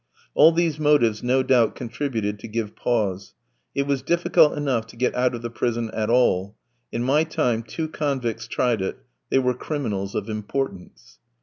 All these motives no doubt contributed to give pause. It was difficult enough to get out of the prison at all; in my time two convicts tried it; they were criminals of importance.